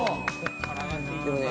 でもね